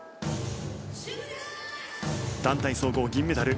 団体総合銀メダル